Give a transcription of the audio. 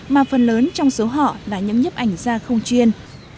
mà phần lớn trong số họ là những nhếp ảnh gia không chuyên